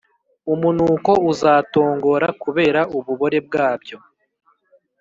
umunuko uzatongora kubera ububore bwabyo,